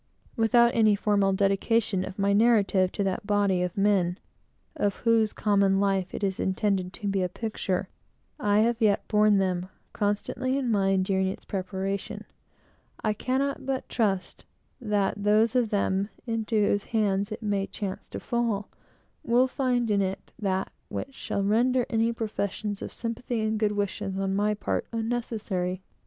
Without any formal dedication of my narrative to that body of men, of whose common life it is intended to be a picture, I have yet borne them constantly in mind during its preparation. I cannot but trust that those of them, into whose hands it may chance to fall, will find in it that which shall render any professions of sympathy and good wishes on my part unnecessary.